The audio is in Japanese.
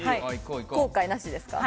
後悔なしですか？